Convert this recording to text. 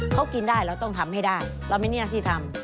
เขากินได้เราต้องทำให้ได้เราไม่มีหน้าที่ทำ